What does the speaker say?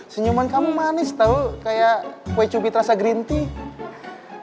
senyuman kamu manis tau kayak kue cubit rasa green tea